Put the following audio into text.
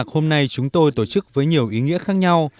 hôm nay chúng tôi tổ chức với nhiều ý nghĩa khác nhau